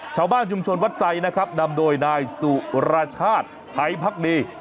ชาวบ้านชุมชนวัดไซค์นะครับนำโดยนายสุรชาติไทยพักดี